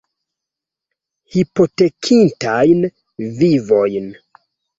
Hipotekitajn vivojn.